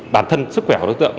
bản thân sức khỏe của đối tượng